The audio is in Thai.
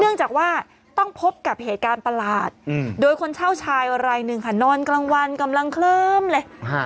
เนื่องจากว่าต้องพบกับเหตุการณ์ประหลาดโดยคนเช่าชายอะไรหนึ่งค่ะนอนกลางวันกำลังเคลิ้มเลย